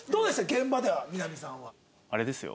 現場ではみな実さんは。あれですよ。